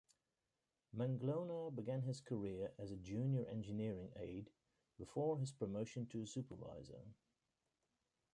Manglona began his career as a junior engineering aide, before his promotion to supervisor.